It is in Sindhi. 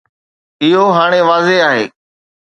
اهو هاڻي واضح آهي